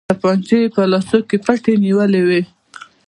تمانچې يې په لاسو کې پټې نيولې وې.